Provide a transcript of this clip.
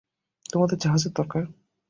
তোমাদের জাহাজের দরকার?